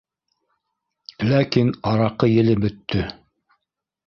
Ләкин... араҡы еле бөттө.